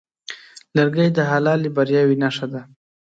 لرګی د حلالې بریاوې نښه ده.